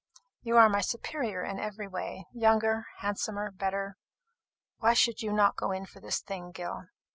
You are my superior in every way younger, handsomer, better. Why should you not go in for this thing, Gil?"